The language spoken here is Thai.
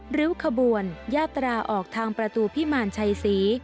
ริ้วขบวนยาตราออกทางประตูพิมารชัยศรี